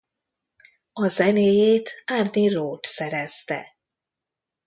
A zenéjét Arnie Roth szerezte.